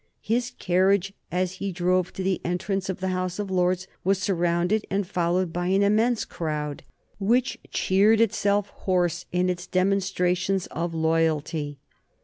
His carriage as he drove to the entrance of the House of Lords was surrounded and followed by an immense crowd, which cheered itself hoarse in its demonstrations of loyalty.